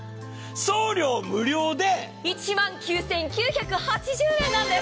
送料無料で１万９９８０円なんです！